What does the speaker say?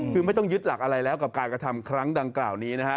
คือไม่ต้องยึดหลักอะไรแล้วกับการกระทำครั้งดังกล่าวนี้นะฮะ